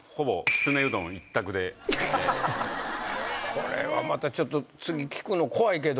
これはまたちょっと次聞くの怖いけど。